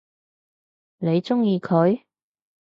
你鍾意佢？